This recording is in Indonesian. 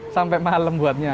sampai malam buatnya